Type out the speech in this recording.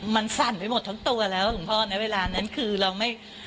มันสั่นไปหมดทั้งตัวแล้วหลวงพ่อในเวลานั้นคือเราไม่